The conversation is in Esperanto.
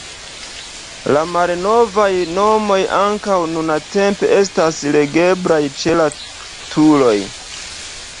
La malnovaj nomoj ankaŭ nuntempe estas legeblaj ĉe la turoj.